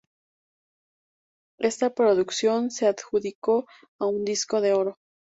Esta producción se adjudicó un disco de oro.